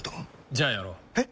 じゃあやろう。え？